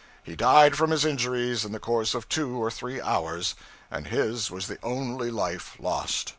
He died from his injuries in the course of two or three hours, and his was the only life lost.